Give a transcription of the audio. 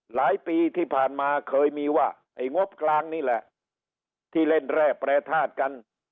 หลายปีที่ผ่านมาเคยมีว่าไอ้งบกลางนี่แหละที่เล่นแร่แปรทาสกัน